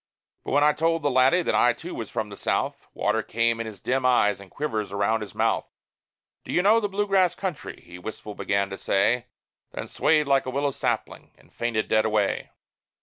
But when I told the laddie that I too was from the South, Water came in his dim eyes, and quivers around his mouth. "Do you know the Blue Grass country?" he wistful began to say; Then swayed like a willow sapling, and fainted dead away.